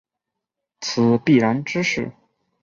此必然之势。